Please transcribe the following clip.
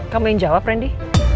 kamu yang jawab randy